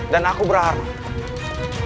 dan aku berharap